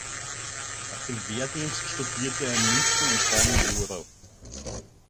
Nach dem Wehrdienst studierte er in München und Bonn Jura.